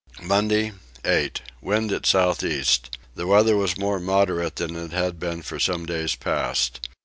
Monday 8. Wind at south east. The weather was more moderate than it had been for some days past.